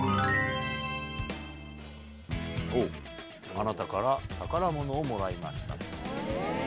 「あなたから宝物をもらいました」。